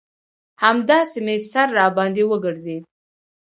همداسې مې سر راباندې وگرځېد.